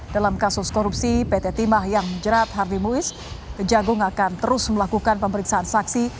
dalam kasus korupsi pt timah yang menjerat hardy muiz kejagung akan terus melakukan pemeriksaan saksi